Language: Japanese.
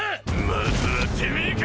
まずはてめえか！